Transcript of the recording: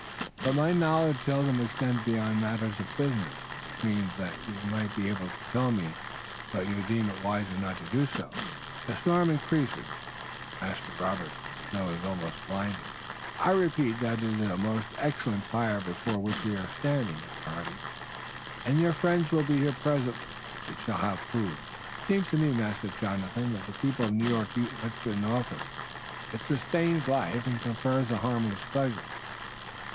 But my knowledge seldom extends beyond matters of business." "Which means that you might be able to tell me, but you deem it wiser not to do so." "The storm increases, Master Robert. The snow is almost blinding. I repeat that it is a most excellent fire before which we are standing. Mr. Hardy and your friends will be here presently and we shall have food." "It seems to me, Master Jonathan, that the people of New York eat much and often." "It sustains life and confers a harmless pleasure."